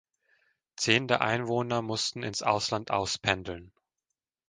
Zehn der Einwohner mussten ins Ausland auspendeln.